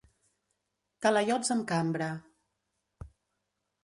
Talaiots amb cambra: